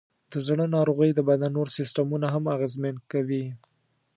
د زړه ناروغۍ د بدن نور سیستمونه هم اغېزمن کوي.